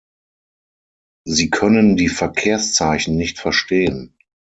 Sie können die Verkehrszeichen nicht verstehen.